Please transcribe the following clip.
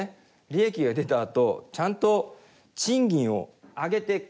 利益が出たあとちゃんと賃金を上げてくれるのか。